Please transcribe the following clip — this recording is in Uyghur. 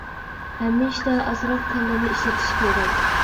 ھەممە ئىشتا ئازراق كاللىنى ئىشلىتىش كېرەك.